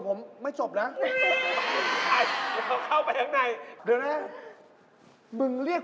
เกมจบแล้วพี่บอลค่ะ